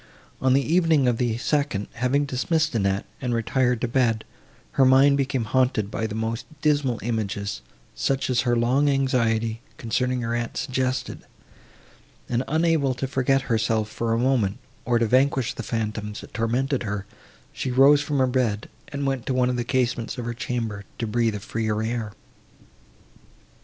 On the evening of the second, having dismissed Annette, and retired to bed, her mind became haunted by the most dismal images, such as her long anxiety, concerning her aunt, suggested; and, unable to forget herself, for a moment, or to vanquish the phantoms, that tormented her, she rose from her bed, and went to one of the casements of her chamber, to breathe a freer air.